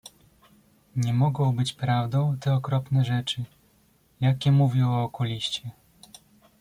"Nie mogą być prawdą te okropne rzeczy, jakie mówił o okuliście."